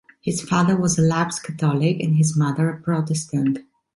His father was a lapsed Catholic, and his mother a Protestant.